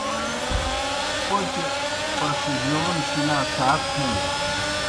پوْچہ پݜجَون شِنا سات ہنیْ۔